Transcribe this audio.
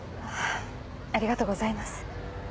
ありがとうございます。